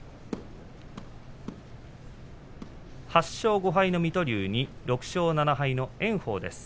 ８勝５敗の水戸龍に６勝７敗の炎鵬です。